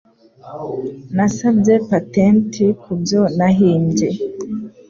Nasabye patenti kubyo nahimbye.